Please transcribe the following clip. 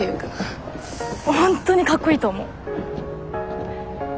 本当にかっこいいと思う。